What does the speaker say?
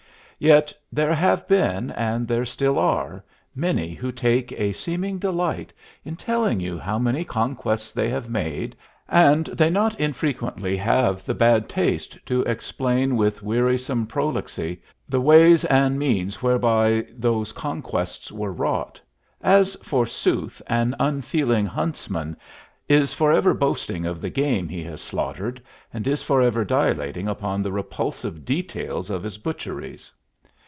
Yet there have been, and there still are, many who take a seeming delight in telling you how many conquests they have made, and they not infrequently have the bad taste to explain with wearisome prolixity the ways and the means whereby those conquests were wrought; as, forsooth, an unfeeling huntsman is forever boasting of the game he has slaughtered and is forever dilating upon the repulsive details of his butcheries.